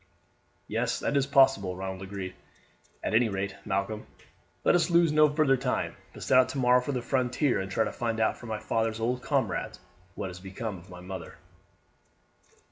"Yes, that is possible," Ronald agreed. "At any rate, Malcolm, let us lose no further time, but set out tomorrow for the frontier and try to find out from my father's old comrades what has become of my mother."